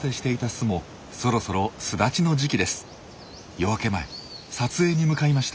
夜明け前撮影に向かいました。